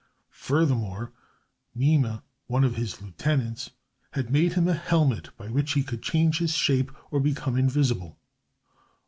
Furthermore, Mime, one of his lieutenants, had made him a helmet by which he could change his shape or become invisible.